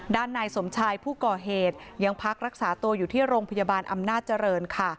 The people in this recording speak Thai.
นายสมชายผู้ก่อเหตุยังพักรักษาตัวอยู่ที่โรงพยาบาลอำนาจเจริญค่ะ